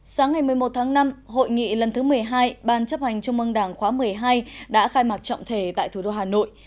sáng ngày một mươi một tháng năm hội nghị lần thứ một mươi hai ban chấp hành trung mương đảng khóa một mươi hai đã khai mạc trọng thể tại thủ đô hà nội